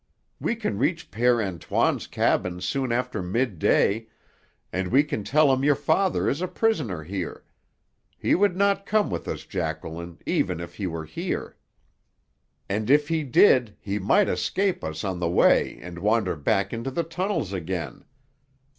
We can reach Père Antoine's cabin soon after midday, and we can tell him your father is a prisoner here. He would not come with us, Jacqueline, even if he were here. "And if he did, he might escape us on the way and wander back into the tunnels again.